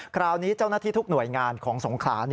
คราวนี้เจ้าหน้าที่ทุกหน่วยงานของสงขลา